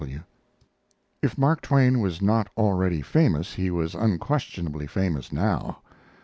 W.] If Mark Twain was not already famous, he was unquestionably famous now.